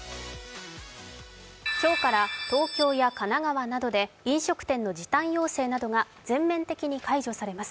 今日から東京や神奈川などで飲食店の時短要請などが全面的に解除されます。